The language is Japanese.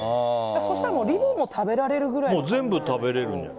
そしたらリボンも食べられるくらいの。